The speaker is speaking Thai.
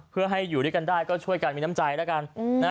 เพื่อให้อยู่ด้วยกันได้ก็ช่วยกันมีน้ำใจแล้วกัน